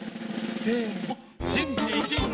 せの！